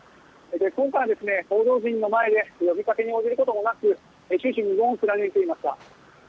今日は報道陣の前で呼びかけに応じることもなく終始無言を貫いていました。